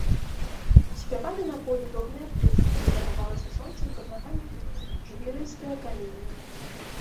Спявалі на полі дробныя птушкі, награвалася сонцам пад нагамі жвірыстае каменне.